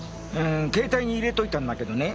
携帯に入れといたんだけどね